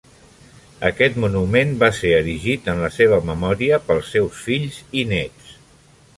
Aquest monument va ser erigit en la seva memòria pels seus fills i néts.